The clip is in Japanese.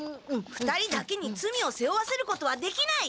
２人だけにつみをせおわせることはできない。